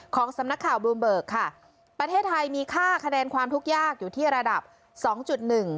สำนักข่าวบลูมเบิกค่ะประเทศไทยมีค่าคะแนนความทุกข์ยากอยู่ที่ระดับสองจุดหนึ่ง